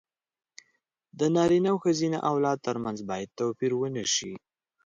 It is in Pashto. د نارينه او ښځينه اولاد تر منځ بايد توپير ونشي.